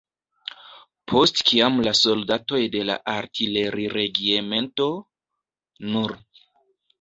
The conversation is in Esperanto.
Post kiam la soldatoj de la Artileriregiemento nr.